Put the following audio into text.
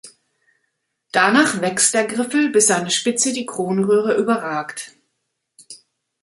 Danach wächst der Griffel, bis seine Spitze die Kronröhre überragt.